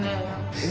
えっ？